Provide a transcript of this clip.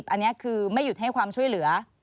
อันนี้คือไม่หยุดให้ความช่วยเหลือ